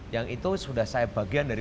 yang itu sudah saya bagian dari